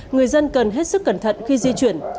người dân cần hết sức cẩn thận khi di chuyển